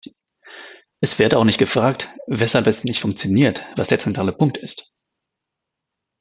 Es wird auch nicht gefragt, weshalb es nicht funktioniert, was der zentrale Punkt ist.